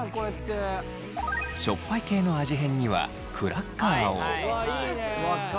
しょっぱい系の味変にはクラッカーを。